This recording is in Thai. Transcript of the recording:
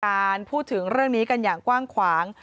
การพูดถึงเรื่องนี้กันอย่างกว้างขวาง